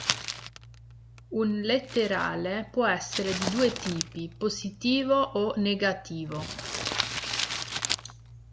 Un letterale può essere di due tipi: positivo o negativo.